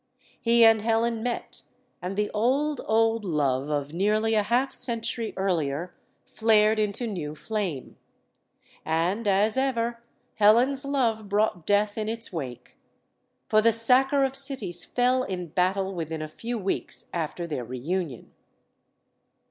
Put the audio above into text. He and Helen met, and the old, old love of nearly a half century earlier flared into new flame. And, as ever, Helen's love brought death in its wake. For the Sacker of Cities fell in battle within a few weeks after their reunion.